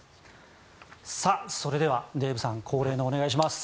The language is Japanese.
さあ、それではデーブさん恒例のお願いします。